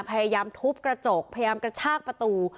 พยายามทุบกระจกพยายามกระชากประตู